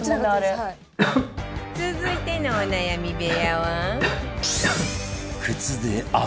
続いてのお悩み部屋は